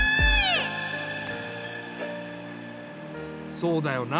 そうだよな。